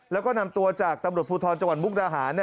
แล้วก็นำตัวจากตำรวจภูทรจังหวัดมุกดาหาร